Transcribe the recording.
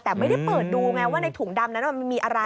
แต่ไม่ได้เปิดดูไงว่าในถุงดำนั้นมันมีอะไร